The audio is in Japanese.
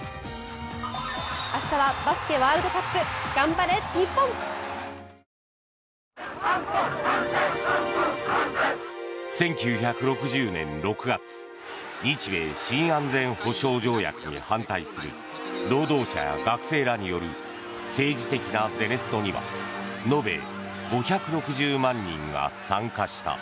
ＢＥＴＨＥＣＨＡＮＧＥ三井不動産１９６０年６月日米新安全保障条約に反対する労働者や学生らによる政治的なゼネストには延べ５６０万人が参加した。